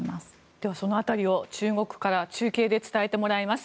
では、その辺りを中国から中継で伝えてもらいます。